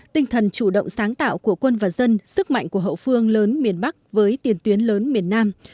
tinh thần chủ động sáng tạo của quân và dân sức mạnh của hậu phương lớn miền bắc với tiền tuyến lớn miền nam